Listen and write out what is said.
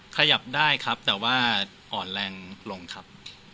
ขยับได้ครับแต่ว่าอ่อนแรงลงครับ